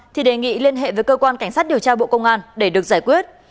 thì đề nghị liên hệ với cơ quan cảnh sát điều tra bộ công an để được giải quyết